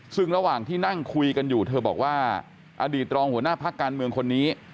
ซึ่งระหว่างที่นั่งคุยกันอยู่เธอบอกว่าอดีตรองหัวหน้าพักการเมืองคนนี้